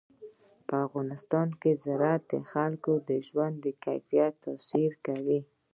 په افغانستان کې زراعت د خلکو د ژوند په کیفیت تاثیر کوي.